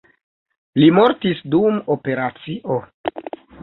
Li mortis dum operacio.